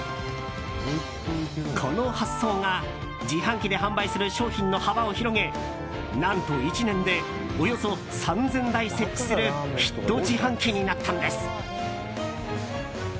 この発想が自販機で販売する商品の幅を広げ何と１年でおよそ３０００台設置するヒット自販機になったんです。